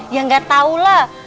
ya ga tau lah